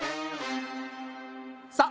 さあ！